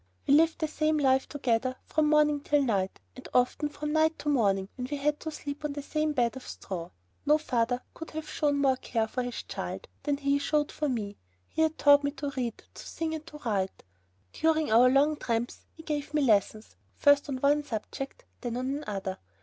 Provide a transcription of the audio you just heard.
We lived the same life together from morning till night, and often from night to morning, when we had to sleep on the same bed of straw. No father could have shown more care for his child than he showed for me. He had taught me to read, to sing, and to write. During our long tramps he gave me lessons, first on one subject then on another.